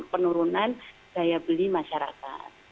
penurunan daya beli masyarakat